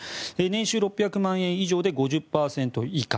年収６００万円以上で５０％以下。